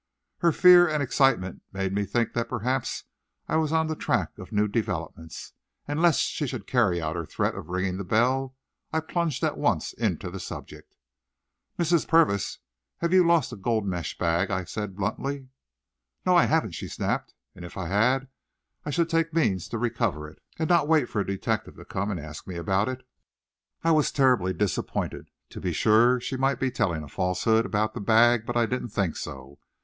Her fear and excitement made me think that perhaps I was on the track of new developments, and lest she should carry out her threat of ringing the bell, I plunged at once into the subject. "Mrs. Purvis, have you lost a gold mesh bag?" I said bluntly. "No, I haven't," she snapped, "and if I had, I should take means to recover it, and not wait for a detective to come and ask me about it." I was terribly disappointed. To be sure she might be telling a falsehood about the bag, but I didn't think so.